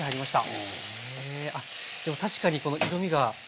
あっでも確かにこの色みが。